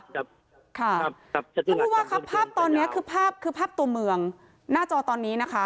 ถ้าพูดว่าครับภาพตอนนี้คือภาพตัวเมืองหน้าจอตอนนี้นะฮะ